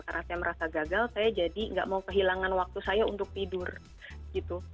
karena saya merasa gagal saya jadi nggak mau kehilangan waktu saya untuk tidur gitu